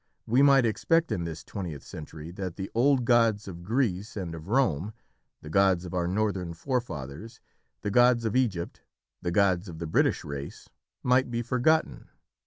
We might expect in this twentieth century that the old gods of Greece and of Rome, the gods of our Northern forefathers, the gods of Egypt, the gods of the British race, might be forgotten.